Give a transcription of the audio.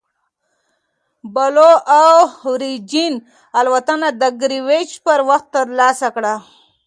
بلو اوریجن الوتنه د ګرینویچ پر وخت ترسره کړه.